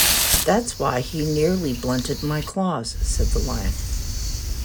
"That's why he nearly blunted my claws," said the Lion.